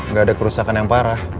nggak ada kerusakan yang parah